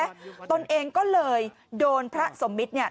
เพราะฉะนั้นก็เลยโดนพระสมมิตร